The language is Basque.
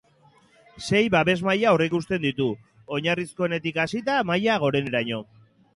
Sei babes-maila aurreikusten ditu, oinarrizkoenetik hasita maila goreneraino.